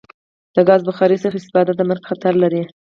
د کازی بخاری څخه استفاده د مرګ خطر لری